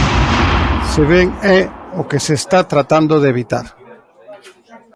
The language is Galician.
Se ben é o que se está tratando de evitar.